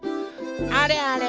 あれあれ。